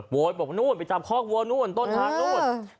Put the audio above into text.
โว้ยบอกว่านู้นไปจับคอกโว้ยนู้นต้นทางนู้น